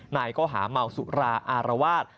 นายก็หาเมาสุราอารวาส